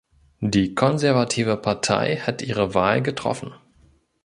Die Konservative Partei hat ihre Wahl getroffen.